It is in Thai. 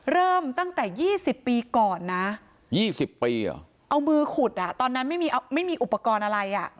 เริ่มตั้งแต่๒๐ปีก่อนนะ๒๐ปีเหรอเอามือขุดอ่ะตอนนั้นไม่มีอุปกรณ์อะไรอ่ะ